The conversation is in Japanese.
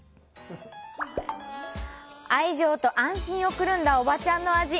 愛情と安心をくるんだおばちゃんの味。